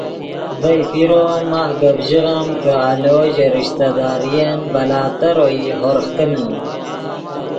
ڤئے پیرو ام ماخ گپ ژیغم کہ آلو ژے رشتہ دارین بلا تر اوئی ہورغ کینے